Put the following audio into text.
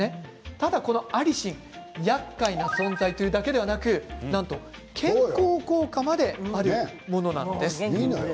ただこのアリシンやっかいな存在というだけではなくなんと健康効果まであるものなんです。